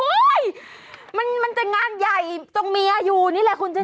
โอ้โฮมันจะงานใหญ่ตรงเมียอยู่นี่แหละคุณจันทร์